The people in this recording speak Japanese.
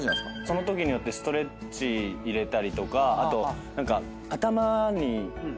そのときによってストレッチ入れたりとかあと何か。